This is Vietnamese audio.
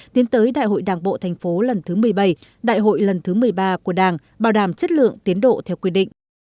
tiến tới đại hội đảng bộ thành phố lần thứ một mươi bảy đại hội lần thứ một mươi ba của đảng bảo đảm chất lượng tiến độ theo quy định